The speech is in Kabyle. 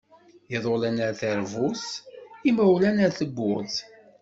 Iḍulan ar teṛbut imawlan ar tebburt.